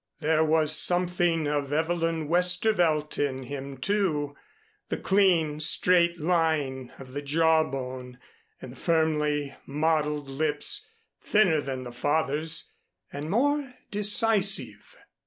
There was something of Evelyn Westervelt in him, too, the clean straight line of the jawbone and the firmly modeled lips, thinner than the father's and more decisive.